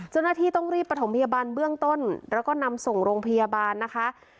เจ้าหน้าที่ต้องรีบประถมพยาบาลเบื้องต้นแล้วก็นำส่งโรงพยาบาลนะคะ